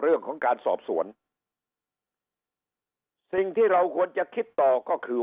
เรื่องของการสอบสวนสิ่งที่เราควรจะคิดต่อก็คือ